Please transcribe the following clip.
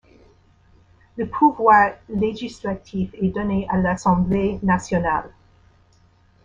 Le pouvoir législatif est donné à l'Assemblée nationale.